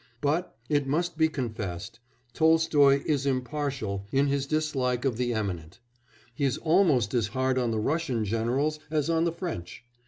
But, it must be confessed, Tolstoy is impartial in his dislike of the eminent; he is almost as hard on the Russian generals as on the French.